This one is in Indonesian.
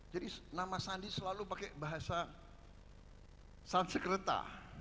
jadi nama sandi selalu pakai bahasa sansekerta